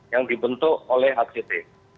yang dibentuk oleh act